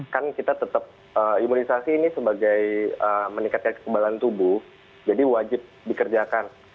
kan kita tetap imunisasi ini sebagai meningkatkan kekebalan tubuh jadi wajib dikerjakan